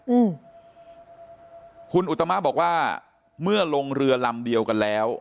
อืมคุณอุตมะบอกว่าเมื่อลงเรือลำเดียวกันแล้ว